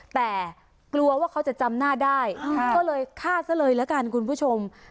แต่กลัวว่าเขาจะจำหน้าได้ก็เลยฆ่าซะเลยละกันคุณผู้ชม